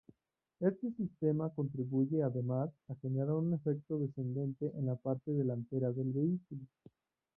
Este sistema contribuye, además, generar un efecto descendente en la parte delantera del vehículo.